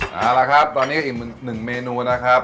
นั่นล่ะครับตอนนี้ก็อีก๑เมนูนะครับ